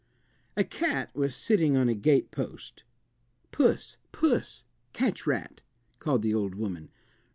A cat was sitting on a gate post. "Puss, puss, catch rat," called the old woman.